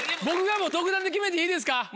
僕がもう独断で決めていいですか？